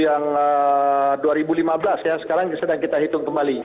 delapan delapan ratus yang dua ribu lima belas ya sekarang sedang kita hitung kembali